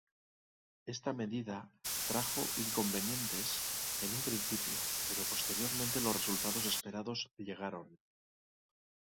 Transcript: Esta medida trajo inconvenientes en un principio, pero posteriormente los resultados esperados llegaron.